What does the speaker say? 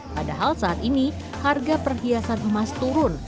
padahal saat ini harga perhiasan emas turun